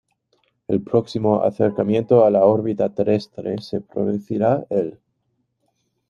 El próximo acercamiento a la órbita terrestre se producirá el.